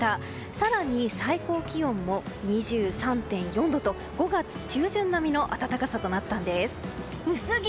更に、最高気温も２３．４度と５月中旬並みの暖かさとなったんです。